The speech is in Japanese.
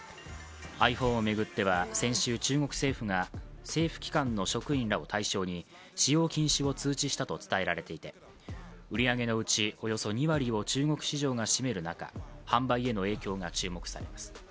ｉＰｈｏｎｅを巡っては先週、中国政府が政府機関の職員らを対象に使用禁止を通知したと伝えられていて売り上げのうちおよそ２割を中国市場が占める中、販売への影響が注目されます。